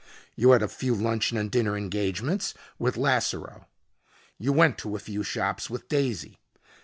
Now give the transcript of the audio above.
You had a few luncheon and dinner engagements with Lasseroe. You went to a few shops with Daisy.